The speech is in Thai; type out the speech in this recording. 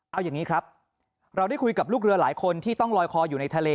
เอาอย่างนี้ครับเราได้คุยกับลูกเรือหลายคนที่ต้องลอยคออยู่ในทะเล